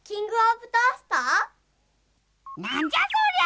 なんじゃそりゃ！